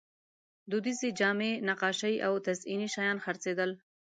دودیزې جامې، نقاشۍ او تزییني شیان خرڅېدل.